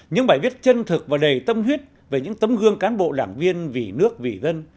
những bài viết chân thực và đầy tâm huyết về những tấm gương cán bộ đảng viên vì nước vì dân